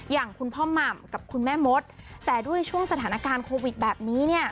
อย่างคุณพ่อหม่ำกับคุณแม่มดแต่ด้วยช่วงสถานการณ์โควิดแบบนี้เนี่ย